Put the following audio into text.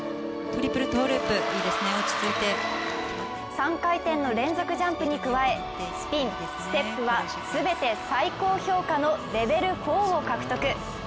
３回転の連続ジャンプに加えスピン、ステップは全て最高評価のレベル４を獲得。